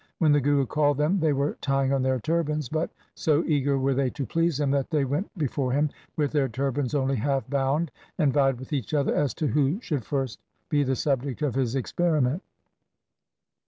When the Guru called them they were tying on their turbans, but, so eager were they to please him, that they went before him with their turbans only half bound, and vied with each other as to who should first be the subject of his experiment.